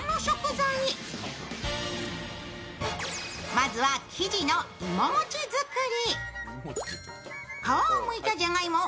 まずは、生地のいももち作り。